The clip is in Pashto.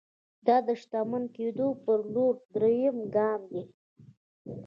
دا د شتمن کېدو پر لور درېيم ګام دی.